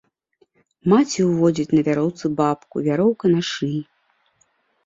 Маці ўводзіць на вяроўцы бабку, вяроўка на шыі.